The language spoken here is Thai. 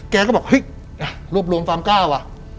แกก็บอกเฮ้ยรวบรวมความกล้าว่ะ